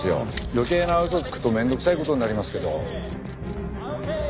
余計な嘘つくと面倒くさい事になりますけど。